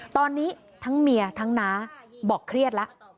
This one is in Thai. ตอนนี้ทั้งเมียทั้งน้าบอกเครียดแล้ว